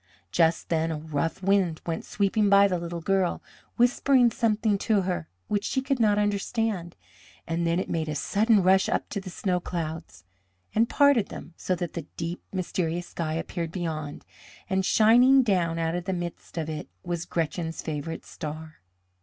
Just then a rough wind went sweeping by the little girl, whispering something to her which she could not understand, and then it made a sudden rush up to the snow clouds and parted them, so that the deep, mysterious sky appeared beyond, and shining down out of the midst of it was Gretchen's favourite star.